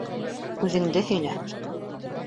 Үҙеңде һөйлә.